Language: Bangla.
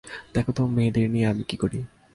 দেখো তো, মেয়েদের নিয়ে আমি কী করি!